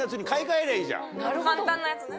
簡単なやつね。